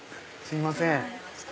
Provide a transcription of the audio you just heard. すいません。